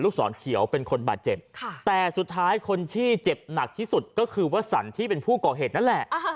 ศรเขียวเป็นคนบาดเจ็บแต่สุดท้ายคนที่เจ็บหนักที่สุดก็คือวสันที่เป็นผู้ก่อเหตุนั่นแหละ